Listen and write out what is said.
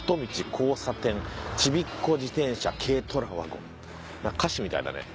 こうさてんちびっこ自転車・軽トラ・ワゴン」なんか歌詞みたいだね。